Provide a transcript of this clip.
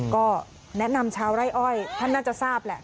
ก็แนะนำชาวไร่อ้อยท่านน่าจะทราบแหละ